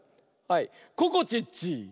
はいここちっち！